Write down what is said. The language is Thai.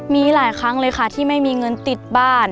มีหลายครั้งเลยค่ะที่ไม่มีเงินติดบ้าน